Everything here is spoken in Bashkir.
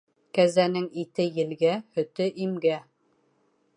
Кәзәнең ите елгә, һөтө имгә.